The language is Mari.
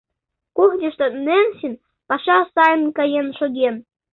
Кухньышто Ненсин паша сайын каен шоген.